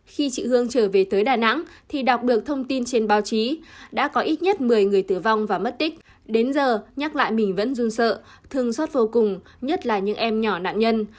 khi chị hương trở về tới đà nẵng thì đọc được thông tin trên báo chí đã có ít nhất một mươi người tử vong và mất tích đến giờ nhắc lại mình vẫn run sợ thương xót vô cùng nhất là những em nhỏ nạn nhân